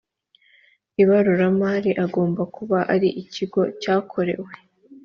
ibaruramari agomba kuba ari ikigo cyakorewe